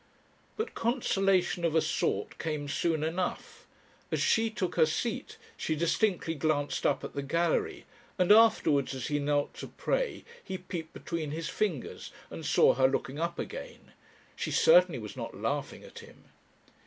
But consolation of a sort came soon enough. As she took her seat she distinctly glanced up at the gallery, and afterwards as he knelt to pray he peeped between his fingers and saw her looking up again. She was certainly not laughing at him.